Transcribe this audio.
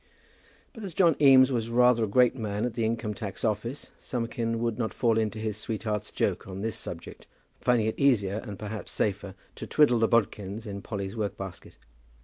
But as John Eames was rather a great man at the Income tax Office, Summerkin would not fall into his sweetheart's joke on this subject, finding it easier and perhaps safer to twiddle the bodkins in Polly's work basket.